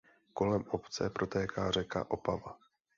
Kolem obce protéká řeka Opava.